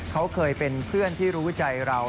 เขาเคยเป็นเพื่อนที่รู้ใจเรา